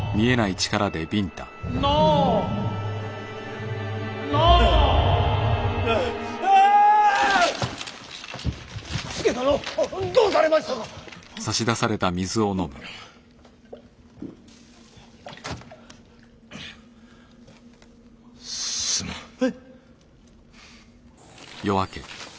えっ。